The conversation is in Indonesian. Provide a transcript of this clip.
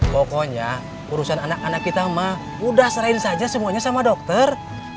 pokoknya urusan anak anak kita mah udah serahin saja semuanya sama dokter